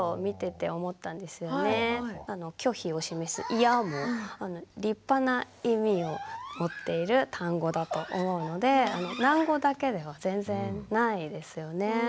拒否を示す「イヤ！」も立派な意味を持っている単語だと思うので喃語だけでは全然ないですよね。